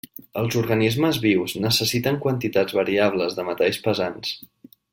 Els organismes vius necessiten quantitats variables de metalls pesants.